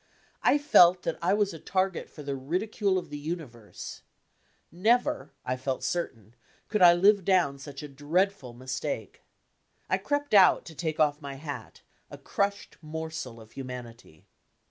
I felt that I was a target for the ridicule of the universe. Never, I felt certain, could I live down such a dreadful mistake. I crept out to take off my hat, a crushed morsel of humanity.